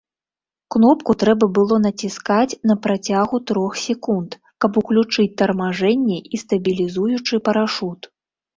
Кнопку трэба было націскаць на працягу трох секунд, каб уключыць тармажэнне і стабілізуючы парашут.